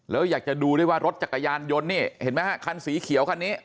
แล้วอยากจะดูด้วยว่ารถจักรยานยนต์นี่เห็นไหมฮะคันสีเขียวคันนี้